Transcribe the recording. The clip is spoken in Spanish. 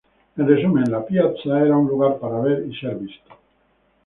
En resumen, la "piazza" era un lugar para ver y ser visto.